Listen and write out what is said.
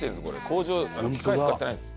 機械使ってないんです。